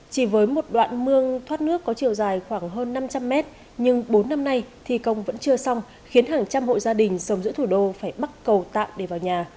chỉ với một đoạn mương thoát nước có chiều dài khoảng hơn năm trăm linh mét nhưng bốn năm nay thi công vẫn chưa xong khiến hàng trăm hộ gia đình sống giữa thủ đô phải bắt cầu tạm để vào nhà